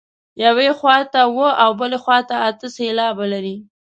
یوې خوا ته اووه او بلې ته اته سېلابه لري.